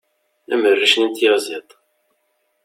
am rric-nni n tyaziḍt